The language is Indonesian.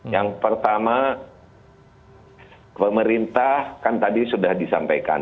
yang pertama pemerintah kan tadi sudah disampaikan